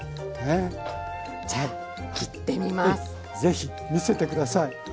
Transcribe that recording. ええ是非見せて下さい。